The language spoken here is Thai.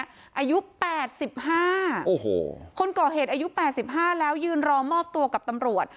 อายุแปดสิบห้าโอ้โหคนเกาะเหตุอายุแปดสิบห้าแล้วยืนรอมอบตัวกับตำรวจ